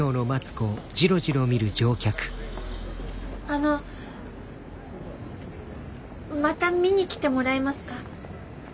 あのまた見に来てもらえますか？